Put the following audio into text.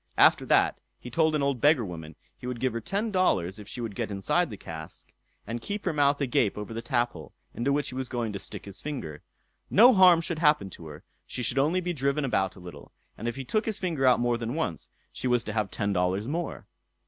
After that he told an old beggar woman, he would give her ten dollars if she would get inside the cask, and keep her mouth agape over the taphole, into which he was going to stick his finger. No harm should happen to her; she should only be driven about a little; and if he took his finger out more than once, she was to have ten dollars more.